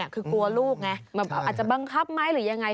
คือกลัวลูกไงอาจจะบังคับไหมหรือยังไง